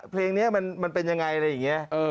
เพลงนี้มันเป็นยังไงอะไรอย่างนี้